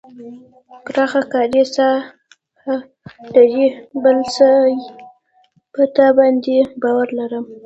پراخه کاري ساحه لري بل زه په تا باندې باور لرم.